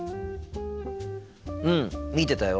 うん見てたよ。